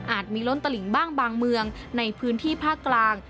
มีล้นตลิงบ้างบางเมืองในพื้นที่ภาคกลาง